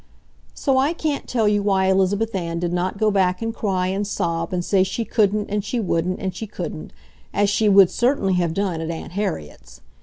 So I can't tell you why Elizabeth Ann did not go back and cry and sob and say she couldn't and she wouldn't and she couldn't, as she would certainly have done at Aunt Harriet's.